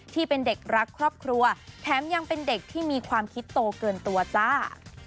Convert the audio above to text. ที่เป็นเด็กรักครอบครัวแถมยังเป็นเด็กที่มีความคิดโตเกินตัวจ้า